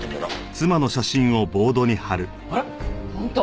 あら本当。